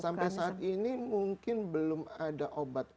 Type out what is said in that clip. sampai saat ini mungkin belum ada obat